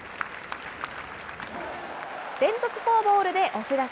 連続フォアボールで押し出し。